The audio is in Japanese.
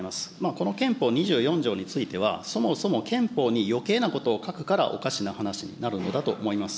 この憲法２４条については、そもそも憲法によけいなことを書くから、おかしな話になるのだと思います。